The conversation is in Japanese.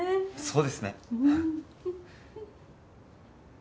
そうですね。